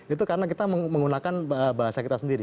itu karena kita menggunakan bahasa kita sendiri